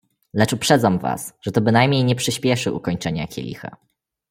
"Lecz uprzedzam was, że to bynajmniej nie przyśpieszy ukończenia kielicha."